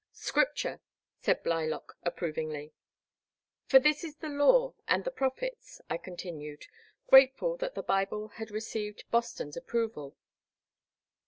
Scripture," said Blylock, approvingly. For this is the law and the prophets," I con tinued, grateful that the Bible had received Bos ton's approval.